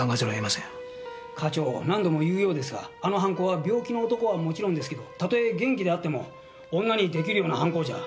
課長何度も言うようですがあの犯行は病気の男はもちろんですけどたとえ元気であっても女に出来るような犯行じゃ。